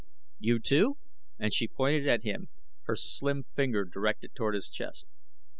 "You, too?" and she pointed at him, her slim finger directed toward his chest.